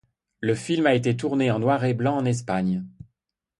Le film a été tourné en noir-et-blanc en Espagne.